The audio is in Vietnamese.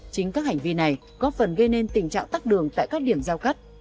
chính các hành vi này góp phần gây nên tình trạng tắt đường tại các điểm giao cắt